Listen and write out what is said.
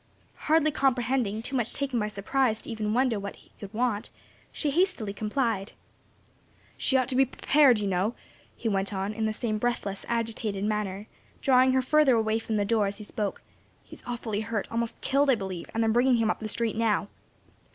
Hardly comprehending, too much taken by surprise even to wonder what he could want, she hastily complied. "She ought to be prepared, you know," he went on in the same breathless, agitated manner, drawing her further away from the door as he spoke; "he's awfully hurt, a'most killed, I believe, and they're bringin' him up the street now."